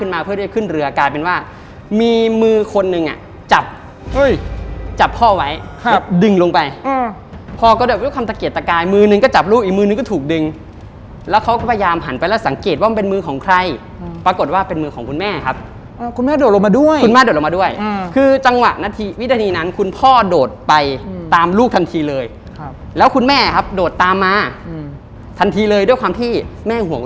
มือนึงก็จับลูกอีกมือนึงก็ถูกดึงแล้วเขาก็พยายามหันไปแล้วสังเกตว่ามันเป็นมือของใครอืมปรากฏว่าเป็นมือของคุณแม่ครับอ่าคุณแม่โดดลงมาด้วยคุณแม่โดดลงมาด้วยอืมคือจังหวะนาทีวิธีนั้นคุณพ่อโดดไปอืมตามลูกทันทีเลยครับแล้วคุณแม่ครับโดดตามมาอืมทันทีเลยด้วยความที่แม่ห่วง